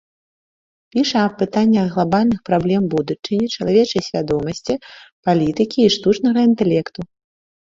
Піша аб пытаннях глабальных праблем будучыні, чалавечай свядомасці, палітыкі і штучнага інтэлекту.